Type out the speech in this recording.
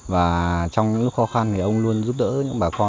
và trong những khó khăn thì ông luôn giúp đỡ những bà con ở đây